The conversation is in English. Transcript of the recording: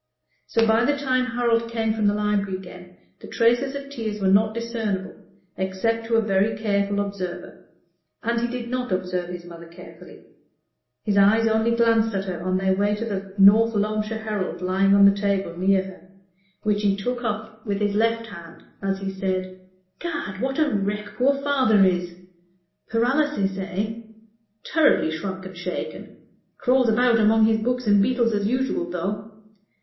So, by the time Harold came from the library again, the traces of tears were not discernible, except to a very careful observer. And he did not observe his mother carefully; his eyes only glanced at her on their way to the North Loamshire Herald, lying on the table near her, which he took up with his left hand, as he said "Gad! what a wreck poor father is! Paralysis, eh? Terribly shrunk and shaken crawls about among his books and beetles as usual, though.